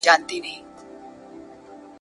چي منزل له ټولو ورک وي کومي لاري ته سمیږو !.